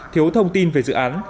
thiếu thông tin về dự án